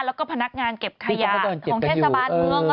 แล้วก็พนักงานเก็บขยะของเทศบาลเมือง